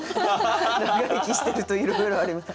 「長生きしてるといろいろあります」。